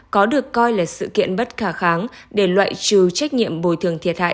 có được coi là sự kiện bất khả kháng để loại trừ trách nhiệm bồi thường thiệt hại